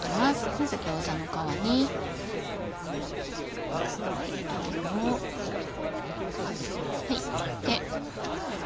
まず餃子の皮に餡を入れて。